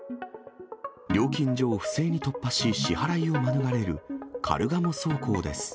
料金所を不正に突破し、支払いを免れる、カルガモ走行です。